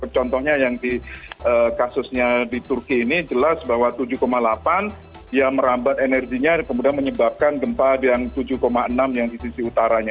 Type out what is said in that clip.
contohnya yang di kasusnya di turki ini jelas bahwa tujuh delapan dia merambat energinya kemudian menyebabkan gempa yang tujuh enam yang di sisi utaranya